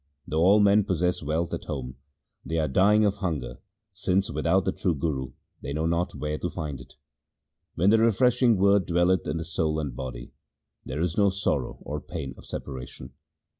Though all men possess wealth at home, they are dying of hunger, since without the true Guru they know not where to find it. When the refreshing Word dwelleth in the soul and body, there is no sorrow or pain of separation.